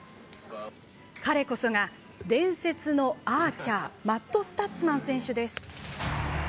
彼こそが、伝説のアーチャーアメリカのマット・スタッツマン選手です。